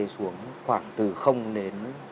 xuống khoảng từ đến